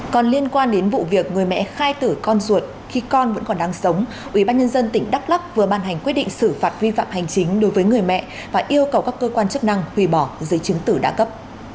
còn liên quan đến vụ việc người mẹ khai tử con ruột khi con vẫn còn đang sống ủy ban nhân dân tỉnh đắk lắk vừa ban hành quyết định xử phạt vi phạm hành chính đối với người mẹ và yêu cầu các cơ quan chức năng huy bỏ giấy chứng tử đa cấp